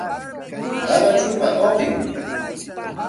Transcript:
Qarachupa uqim